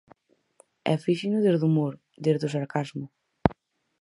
E fíxeno desde o humor, desde o sarcasmo.